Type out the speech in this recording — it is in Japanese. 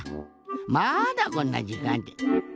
まだこんなじかんで。